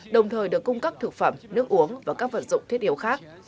đồng thời được cung cấp thực phẩm nước uống và các vật dụng thiết yếu khác